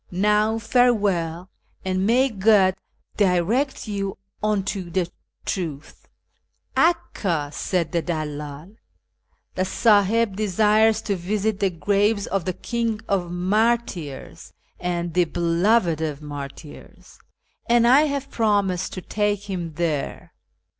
Now farewell, and may God direct you unto the truth." " Aku," said the dalldl, " the iS; diib desires to visit the graves of the ' King of Martyrs,' and the ' Beloved of Martyrs,' and I have promised to take him there.